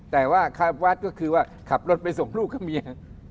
แต่ว่าวัดก็คือว่าขับรถไปส่งลูกกับเมีย